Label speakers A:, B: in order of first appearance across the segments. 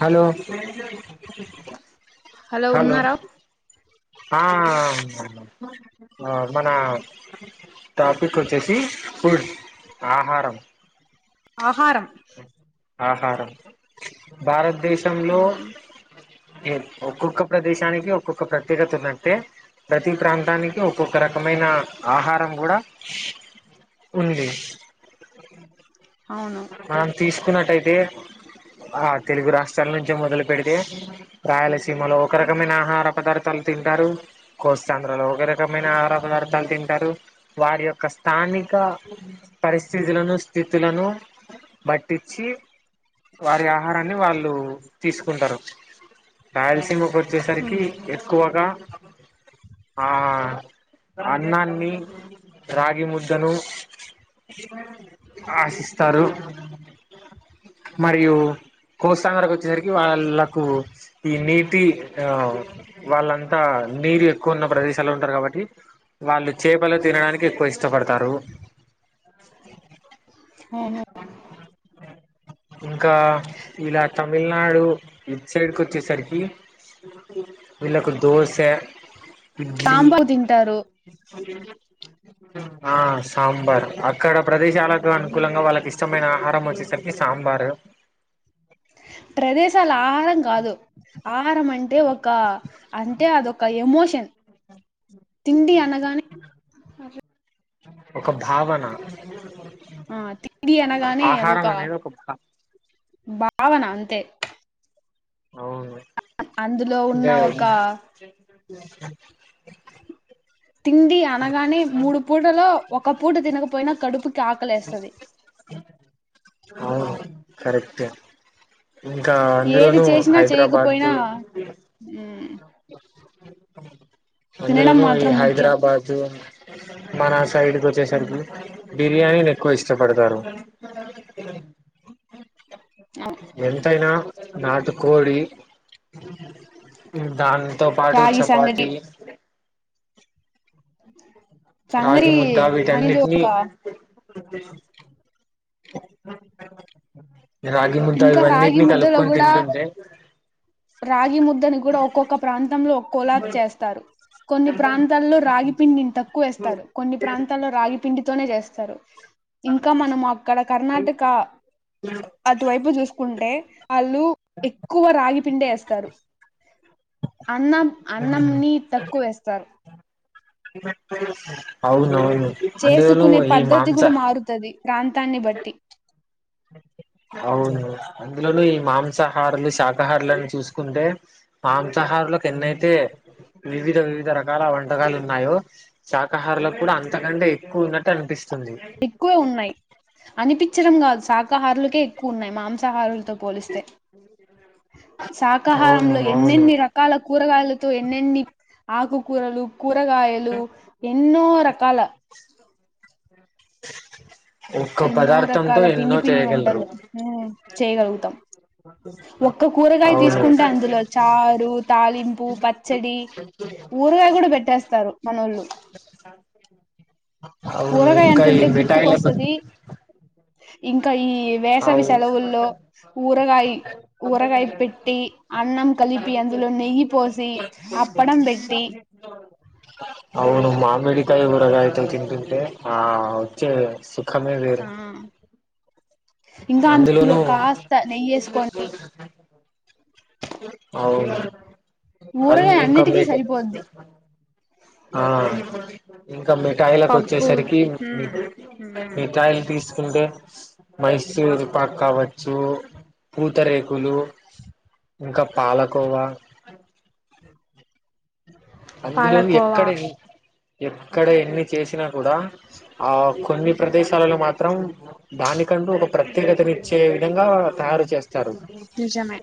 A: Hello hello ఆ మన topic వచ్చేసి ఫుడ్ ఆహారం
B: ఆహారం
A: ఆహారం భారతదేశంలో
B: ఉమ్
A: ఉ ఒక్కొక్క ప్రదేశానికి ఒక్కొక్క ప్రత్యేకత ఉన్నట్టే ప్రతి ప్రాంతానికి ఒక్కొక్క రకమైన ఆహారం కూడా ఉంది
B: అవును
A: మనం తీసుకున్నట్టయితే ఆ తెలుగు రాష్ట్రాల నుంచే మొదలు పెడితే రాయలసీమలో ఒక రకమైన ఆహార పదార్థాలు తింటారు కోస్ంధ్రలో ఒక రకమైన ఆహార పదార్థాలు తింటారు వారి యొక్క స్థాని ఇక పరిస్థితులను స్థితులను పట్టించి వారి ఆహారాన్ని వాళ్ళు తీసుకుంటారు రాయలసీమ కు
B: ఉమ్
A: వచ్చేసరికి ఎక్కువగా ఆ అన్నాన్ని రాగి ముద్దను ఆశిస్తారు మరియు కోస్తాంధ్ర కు వచ్చేసరికి వాళ్ళకు ఈ నీటి ఆ వాళ్ళంతా నీరు ఎక్కువ ఉన్న ప్రదేశాలు ఉంటారు కాబట్టి వాళ్ళు చేపలు తినడానికి ఎక్కువ ఇష్టపడుతారు
B: అవును
A: ఇంకా ఇలా తమిళనాడు ఇటు సైడ్ కు వచ్చేసరికి వీళ్లకు దోస ఇడ్లీ
B: సాంబార్ తింటారు
A: ఆ సాంబార్ అక్కడ ప్రదేశాలకు అనుకూలంగా వాళ్ళకు ఇస్త అచ్చమైన ఆహారం వచ్చేసరికి సాంబారు
B: ప్రదేశాలు ఆహారం కాదు ఆహారం అంటే ఒ క అంటే అది ఒక ఎమోషన్ తిండి అనగనే
A: ఒక భావన
B: ఆ తికిడి అనగానే అది
A: ఆహారం
B: ఒక
A: అనేది భా
B: భావన అంతే
A: అవును
B: అందులో ఉన్న
A: అంటే
B: ఒక తిండి అనగానే మూడు పూటలో ఒక పూట తినకపోయినా కడుపుకి ఆకలేస్తది
A: అవును కరెక్టే ఇంకా
B: ఏది
A: అందులోను
B: చేసినా
A: హైదరాబాద్
B: చేయకపోయినా
A: జు
B: ఉమ్ తినడం
A: అందులోనూ ఈ
B: మాత్రం ముఖ్యం
A: హైదరాబాదు మన సైడ్ కు వచ్చేసరికి బిర్యానీని ఎక్కువ ఇష్టపడతారు
B: ఆమె
A: ఎంతైనా నాటు కోడి దాంతో పాటు
B: రాగి సంగటి
A: చపాతీ రాగి
B: సంగటి
A: ముద్దా
B: అనేది
A: వీటన్నిటినీ.
B: ఒక
A: రాగి ముద్దా
B: ఇంకా రాగి
A: ఇవన్నిటినీ
B: ముద్దలో
A: కలుపుకొని
B: కూడా
A: తింటుంటే.
B: రాగి ముద్దని గూడా ఒక్కొక్క ప్రాంతంలో ఒక్కోలా చేస్తారు. కొన్ని ప్రాంతాల్లో రాగి పిండిని తక్కువ ఏస్తారు. కొన్ని ప్రాంతాల్లో రాగి పిండితోనే చేస్తారు. ఇంకా మనం అక్కడ కర్ణాటకా అటువైపు చూసుకుంటే. ఆళ్ళూ ఎక్కువ రాగి పిండే ఏస్తారు. అన్నం అన్నం నీ తక్కువ వేస్తారు.
A: అవునువును అందులోనూ
B: చేసుకునే
A: ఈ
B: పద్ధతి
A: మాంసా
B: కూడా మారుతది ప్రాంతాన్ని బట్టి
A: అవును అందులోనూ ఈ మాంసాహారల్లు, శాకాహారులని చూసుకుంటే. మాంసాహారులకు ఎన్నయితే వివిధ వివిధ రకాల వంటకాలు ఉన్నాయో, శాకాహారులకు కూడా అంతకంటే ఎక్కువ ఉన్నట్టు అనిపిస్త్
B: ఎక్కువ ఉన్నాయి. అనిపిచ్చడం గాదు సాక్ కాహారులకే ఎక్కువ ఉన్నాయి మాంసాహారులతో పోలిస్తే.
A: అవును
B: శాకాహారంలో
A: అవును
B: ఎన్నెన్ని రకాల కూరగాయలతో ఎన్నెన్ని ఆకుకూరలు, కూరగాయలు ఎన్నో రక్ కాలా
A: ఒక్క
B: ఎన్నో
A: పదార్థంతో
B: రకాల
A: ఎన్నో
B: పిండి పిండి
A: చేయగలరు
B: వంటలు ఊ చేయగలుగుతం. ఒక్క కూరగాయ
A: అవును
B: తీసుకుంటే అందులో చారు, తాలింపు, పచ్చడి స్తారు మనోళ్ళు.
A: అవును
B: కూరగాయ
A: ఇంకా ఈ
B: అంటుంటే
A: మిఠాయిల
B: గుర్తుకొస్తదీ ఇంక్ కా ఈ వేసవి
A: అవు
B: సెలవుల్లో ఊరగాయి, ఊరగాయి పెట్టీ అన్నం క కలిపి అందులో నెయ్యి పోశీ అప్పడం పెట్టీ
A: అవును మామిడికాయ ఊరగయతోన్ తింటుంటే ఆ వచ్చే సు ఖమే వేరు
B: ఆ ఇంకా అందులో
A: అందులోనూ
B: కాస్త నెయ్యేసుకొని
A: అవును అంద్
B: ఊరగాయ
A: [inaudible] ఇంక
B: అన్నిటికీ
A: మేకప్
B: సరిపోద్ది
A: ఆ ఇంకా మిఠాయిలకు
B: పప్పు
A: వచ్చేసరికీ
B: మ్మ్
A: మిఠ్
B: మ్మ్
A: మిఠాయిలు తీసుకుంటే మైసూరు పాక్కావచ్చూ, పూతరేకులూ ఇంకా పాలకోవా అందులో
B: పాలకోవా
A: ఎక్కడ ఏ ఎక్కడా ఎన్ని చేశినా కూడా, ఆ కొన్ని ప్రదేశాలలో మాత్రం దాని కంటూ ఒక ప్రత్యేకతని ఇచ్చే విధంగా తయారు చేస్త్
B: నిజమే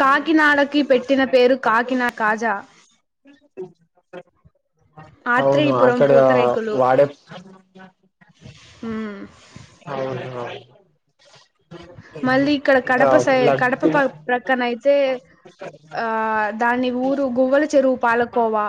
B: కాకినాడకి పెట్టిన పేరు కాకినా [inaudible] కాజా.
A: అవును
B: ఆత్రేయపురం
A: అక్కడా వాడే
B: హ్ము
A: అవును అవును
B: మళ్ళీ ఇక్కడ కడప సై కడప
A: లడ్డు
B: పక్ ప్రక్కన అయితే ఆ దాన్ని ఊరు గువ్వల చెరువు పాలకోవా.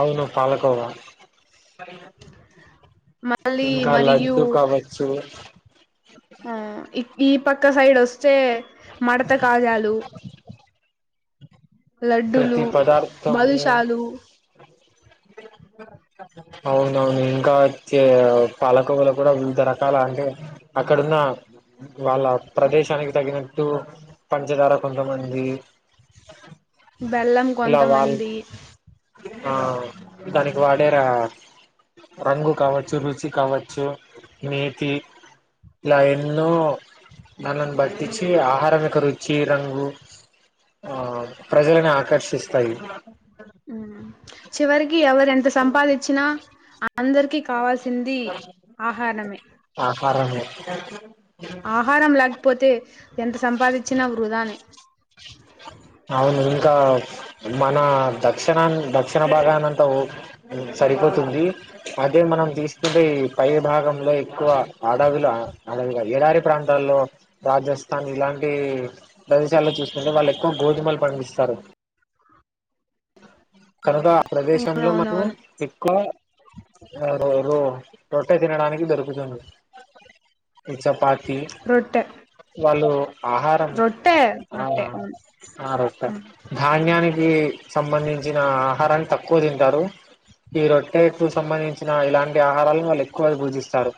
A: అవును పాలకోవా.
B: మళ్ళీ
A: ఇంకా
B: మరియు
A: లడ్దు కావచ్చు.
B: ఆ ఇ ఈ పక్క సైడ్ ఒస్తే మడత కాజాలు. లడ్డులు,
A: ప్రతి పదార్థము
B: బాలుషాలు
A: అవునవును ఇంకా చే పాలకోవల గూడా వివిధ రకాల అంటే అ క్కడున్నా వాళ్ళ ప్రదేశానికి తగినట్టు పంచదార కొంతమంది
B: బెల్లం
A: ఇలా వాళ్
B: కొంతమంది
A: ఆ దానికి వాడేరా రంగు కావచ్చు రుచి కావచ్చు నేతి ఇలా ఎన్నో నన్నని బట్టించి ఆహారం యెక్క రుచి రంగు ఆ ప్రజలన్ని ఆకర్షిస్తాయి
B: హ్మ్ చివరికి ఎవరు ఎంత సంపాదిచ్చినా అ అందరికీ కావాల్సింది ఆహారమే
A: పరను
B: ఆహారం లేకపోతే ఎంత సంపాదించినా వృధానేే
A: దక్షిణం దక్షిణ భాగానంతా ఓ సరిపోతుంది అదే మనం తీసుకుంటే పై భాగంలో ఎక్కువ అడవిల అడవిగాదు ఏడారి ప్రాంతాల్లో రాజస్థాన్ ఇలాంటి ప్రదేశాల్లో చూస్తుకుంటే వాళ్ళు ఎక్కువ గోధుమలు పండిస్తారు కనుక ఆ ప్రదేశంలో మనం
B: అవునవునవును
A: ఎక్కువ రో రో రొట్టె తినడానికి దొరుకుతుంది ఈ చపాతి
B: రొట్టె
A: వాళ్ళు ఆహారం
B: రొట్టె రొట్టె అవును
A: ఆ రొట్ట
B: ఉమ్,
A: ధాన్యాని కి సంబంధించిన ఆహారాన్ని తక్కువ తింటారు ఈ రొట్టెకు సంబంధించిన ఇలాంటి ఆహారాలను వాళ్ళు ఎక్కువదు పూజిస్తారు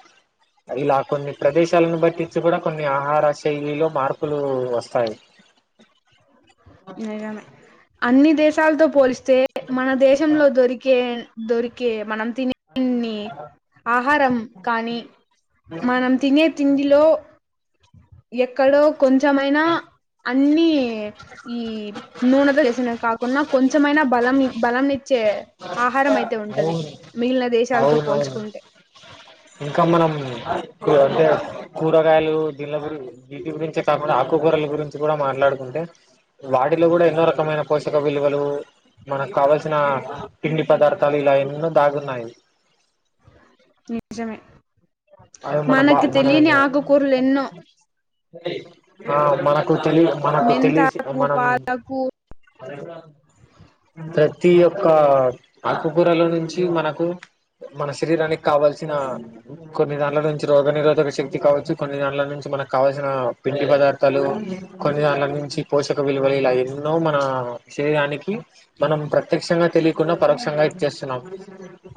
A: ఇలా కొన్ని ప్రదేశాలను బట్టించి కూడా కొన్ని ఆహార శైలిలో మార్పులు వస్తాయి అ
B: నిజమే అన్ని దేశాలతో పోలిస్తే మన దేశంలో దొరికే దొరికే మనం తినే అన్ని
A: అ
B: ఆహారం కానీ మనం తినే తిండిలో ఎక్కడో కొంచమైనా అన్ని ఈ నూనెతో చేసిన కా కోన్నా కొంచమైనా బలంని బలం ని చే ఆహారం అయితే ఉంటది
A: అవును
B: మిగిలిన దేశాలతో
A: అవునవును
B: పోల్చుకుంటే
A: కో అంటే కూరగాయలు దీన్ల గురిం వీటి గురించి కాకుండా ఆకుకూరల గురించి కూడా మాట్లాడుకు అంటే వాటిలో కూడా ఎన్నో రకమైన పోషక విలువలు మనకు కావల్సిన పిండి పదార్థాలు ఇలా ఎన్నో దాగున్నాయ్
B: నిజమే
A: అదే మన బా
B: మనకు
A: మన
B: తెలియని ఆకకూరలు ఎన్నో
A: ఆ మనకు తెలి మనకు తెలిస్
B: మెంతాకు
A: మనం
B: పాలకు
A: ప్రతి ఒక్క ఆకకూరలో నుంచి మనకు మన శరీరానికి కావాల్సిన కొన్ని దాంట్ల నుంచి రోగ నిరోధక శక్తి కావచ్చు కొన్ని దంట్ల నుంచి మనకు కావల్సిన పిండి పదార్థాలు కొన్ని దంట్ల నుంచి పోషక విలువలు ఇలా ఎన్నో మన శరీరానికి మనం ప్ర త్యేక్షంగా తెలియకుండా పరోక్షంగా ఇచ్చేస్తున్నాం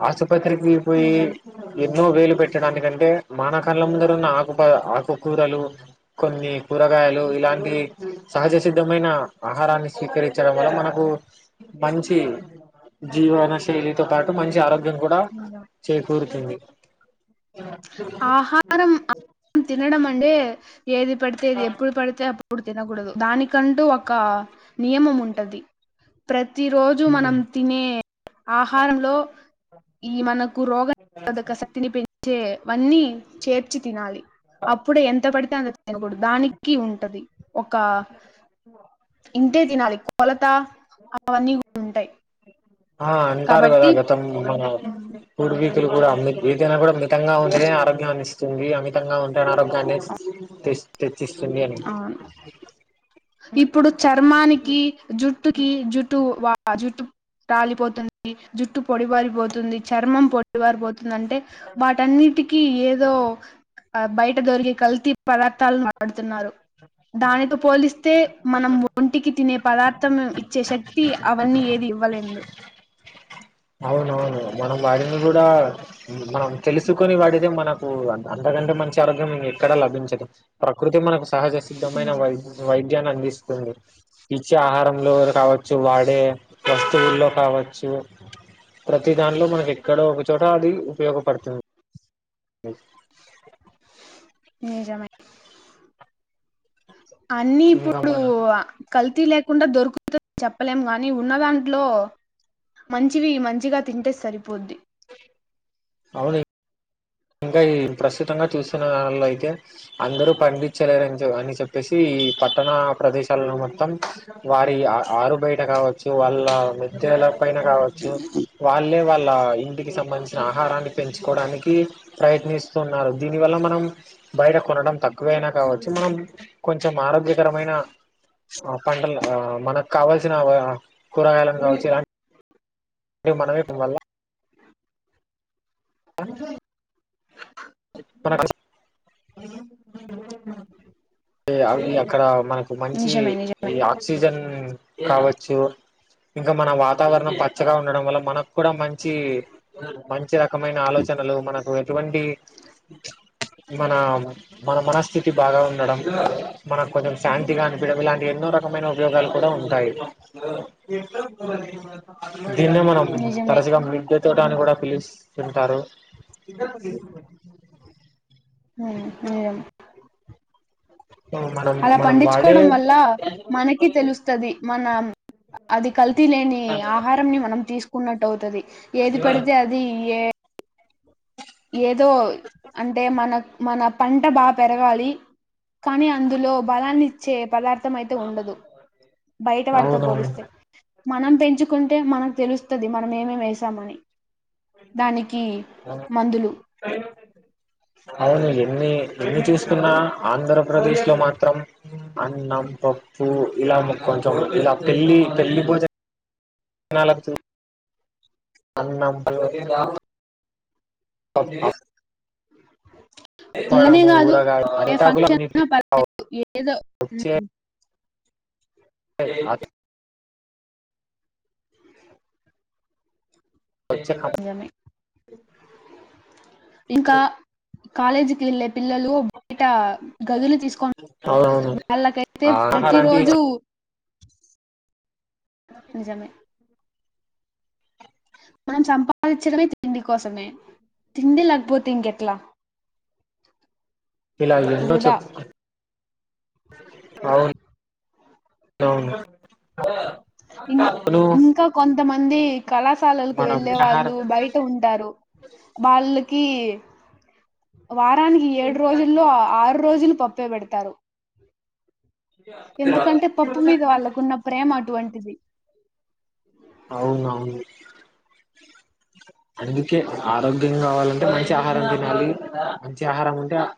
A: అసమ్ ప్రత్రికి విర్పోయి
B: నిజమే
A: ఎన్నో వేలు [unintelligible] మన కళ్ళ ముందరున్న ఆకు ప ఆకుకూరలు కొన్ని కూరగాయలు ఇలా అంటి సహజ సిద్ధమైన ఆహారాన్ని స్వీకరించడం వల్ల మనకు మంచి జీవన శైలితో పాటు మంచి ఆరోగ్యం కూడా
B: నిజమే
A: చేకూరుతుంది
B: ఆహారం ఆహారం తినడం అంటే ఏది పడితే అది ఎప్పుడు పడితే అప్పుడు ఎప్పుడు తినకూడదు దానికంటూ ఒక నియమం ఉంటది ప్ర తి రోజు మనం తినే ఆహారంలో ఈ మన కు రోగ నిరోధక శక్తిని పెంచేవన్నీ చేర్చి తినాలి అప్పుడే ఎంత పడితే అంతా తినకూడదు దానికి ఉంటది ఒక ఇం టే తినాలి కొలత అవన్నీ కూడా ఉంటాయి
A: ఆ అంటారు కదా
B: కాబట్టి
A: గతం మన
B: ఉమ్,
A: పూర్వీ కులు కూడా ఏదైనా కూడా మితంగా ఉంటేనే ఆరోగ్యాన్ని ఇస్తుంది అమితంగా ఉంటే అనారోగ్యాన్ని ఇస్తు స్తుంది అని
B: అవును ఇప్పుడు చర్మానికి జుట్టుకి జుటు వా జుట్టు రాలిపోతుంది జుట్టు పొడిబారిపోతుంది చర్మం పొడిబారిపోతు అంటే వాటన్నిటి కి ఏదో బయట దొరికే కల్తీ పదార్తాలును వాడు తున్నారు దానితో పోలిస్తే మనం ఒంటికి తినే ప దార్థం ఇచ్చే శక్తి అవన్నీ ఏది ఇవ్వలేదు
A: అవునవును మనం వాడింది కూడా మనం తెలుసుకొని వాడెదే మనకు అంతగా గా మంచి ఆరోగ్యం ఎక్కడ లభించదు ప్రకృతి మనకు సహజ సిద్ధమైన
B: నిజం
A: వై వైద్యాన్ని అందిస్త మ్ ఇచ్చే ఆహారంలో కావచ్చు వాడే వస్తువుల్లో కావచ్చు ప్రతి దానిలో మనకి ఎక్కడో ఒకచోట అది ఉపయోగపడుతుంది అ
B: నిజమె అన్నీ
A: ఇంకా
B: ఇప్పుడు
A: మన
B: కల్తీ లేకుండా దొరుకుతుంది చెప్పలేము గానీ ఉన్న దాంట్లో మంచివి మంచిగా తింటే సరిపోద్ది
A: అవును ఇంకా ఈ ప్రస్తుతంగా చూస్తున్న వారిలో అయితే అందరూ పండించలేరని అని చెప్పేసి ఈ పట్టణ ప్రదేశాలలో మొత్తం వారి ఆరు బయట కావచ్చు వాళ్ళ మద్యలో పైన కావచ్చు వాళ్ళే వాళ్ళ ఇంటికి సంబంధించిన ఆహారాన్ని పెంచుకోవడానికి ప్రయత్నిస్తున్నారు దిని వల్ల మనం బయట కొనడం తక్కువైనా కావచ్చు మనం కొంచెం ఆ ఆరోగ్యకరమైన ఆ పంటలు మనకు కావాల్సిన కూరగాయలుని కావచ్చు ఇలాంటి విమనవైపు వల్ల అ అవి అక్కడ మనకి మంచి
B: నిజమే నిజమే
A: ఈ ఆక్సిజన్ కావచ్చు ఇంక మన వాతావరణం పచ్చగా ఉండడం వల్ల మనకు కూడా మంచి మంచి రకమైన ఆలోచన మనకు ఎటువంటి మన మన మనస్థితి బాగా ఉండడం మనకు కొంచెం శాంతిగా అనిపించడం ఇలాంటి ఎన్నో రకం ఉపయోగాలు కూడా ఉంటాయి దీన్నే మనం
B: నిజమే
A: తరచుగా మిద్దె తోట అని కూడా పిలిస్తుంటారు ఇ
B: ఉమ్ నిజం అలా పండించుకోవడం వల్ల మనకి తెలుస్తది మన అది కల్తీ లేని ఆహారం ని మనం తీసుకున్నట్టు అవుతది ఏది పడితే అది ఏ ఏదో అంటే మన మన పంట బాగా పెరగాలి కానీ అందులో బలాన్ని ఇచ్చే పదార్థం అయితే ఉండదు బయట వాటితో పోలిస్తే
A: అవునవును
B: మనం పెంచుకుంటే మనకు తెలుస్తది మనం ఏమేం వేసామని దానికి మందులు
A: అవునండి ఎన్ని చూసుకున్నా ఆంధ్రప్రదేశ్ లో మాత్రం అన్నం పప్పు కొంచం ఇలా పెళ్ళి పెళ్ళి భోజనాలకు అన్నా పప్ప
B: వల్లనే కాదు
A: ఊరగాయ
B: ఏ
A: అరిటాకులు
B: ఫంక్షన్
A: అవి
B: వచ్చిన ఏదో
A: వచ్చే వచ్చే
B: నిజమే ఇంకా కాలేజీకి వెళ్ళే పిల్లలు బయట గదులు తీసుకొని
A: అవునవును
B: వాళ్ళకైతే
A: ఆ
B: ప్రతి
A: ఆహారానికి
B: రోజు నిజమే. మనం సంపాదిచ్చడమే తిండి కోసమే. తిండి లేకపోతే ఇంకెట్లా.
A: ఇలాగేన్నో
B: వృధా
A: చెప్పు అవునవును.
B: ఇం
A: అవును
B: ఇంకా కొంతమంది కళాశాలలకు
A: మనం
B: వెళ్లే వాళ్ళు
A: ఆహారం
B: బయట ఉంటారు. వాళ్ళ కీ వారానికి ఏడు రోజుల్లో ఆ ఆరు రోజులు పప్పే పెడతారు. ఎందుకంటే పప్పు మీద వాళ్ళకున్న ప్రేమ అటువంటిది.
A: అవునవును. అందుకే ఆరోగ్యం కావాలంటే మంచి ఆహారం తినాలి. మంచి ఆహారముంటే [unintelligible]